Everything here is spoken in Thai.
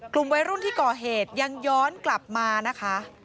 กลุ่มวัยรุ่นที่ก่อเหตุยังย้อนกลับมานะคะ